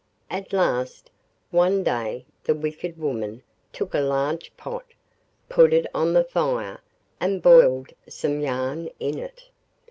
At last, one day the wicked woman took a large pot, put it on the fire and boiled some yarn in it.